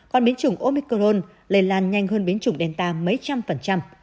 còn biến chủng omicron lây lan nhanh hơn biến chủng delta mấy trăm phần trăm